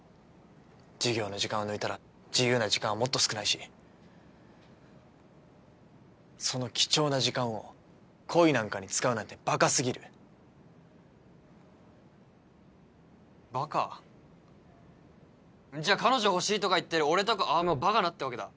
授業の時間を抜いたら自由な時間はもっと少ないしその貴重な時間を恋なんかに使うなんてバカすぎるバカ？じゃあ彼女欲しいとか言ってる俺とか葵もバカだって訳だ？